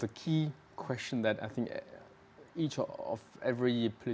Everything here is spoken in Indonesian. perkembangan yang lambat di eropa